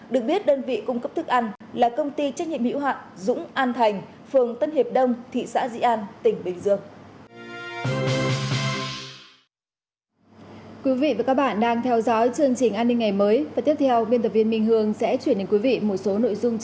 được biết đơn vị cung cấp thức ăn là công ty trách nhiệm hiệu hạn dũng an thành phường tân hiệp đông thị xã dĩ an tỉnh bình dương